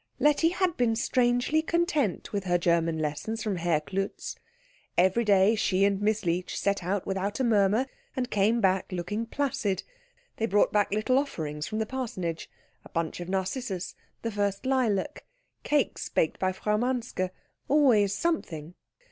Letty had been strangely content with her German lessons from Herr Klutz. Every day she and Miss Leech set out without a murmur, and came back looking placid. They brought back little offerings from the parsonage, a bunch of narcissus, the first lilac, cakes baked by Frau Manske, always something.